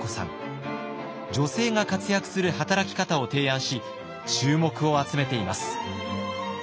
女性が活躍する働き方を提案し注目を集めています。